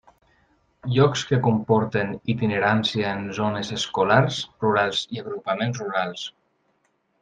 Llocs que comporten itinerància en zones escolars rurals i agrupaments rurals.